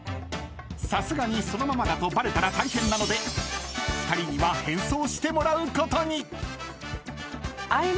［さすがにそのままだとバレたら大変なので２人には変装してもらうことに］